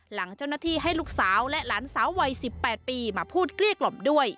หลังเจ้าหน้าที่ให้ลูกสาวและหลานสาววัย๑๘ปีมาพูดเกลี้ยกล่อมด้วย